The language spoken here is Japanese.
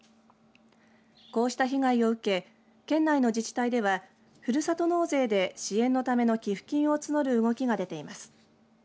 こうした被害を受け県内の自治体ではふるさと納税で支援のための寄付金を募る動きが出ています。